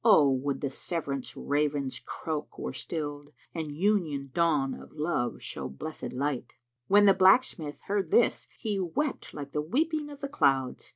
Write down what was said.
Ah would the Severance raven's croak were stilled * And Union dawn of Love show blessčd light!" When the blacksmith heard this, he wept like the weeping of the clouds.